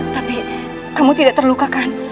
tapi kamu tidak terluka kan